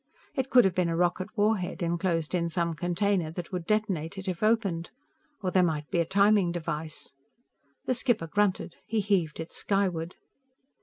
It could have been a rocket war head, enclosed in some container that would detonate it if opened. Or there might be a timing device. The skipper grunted. He heaved it skyward.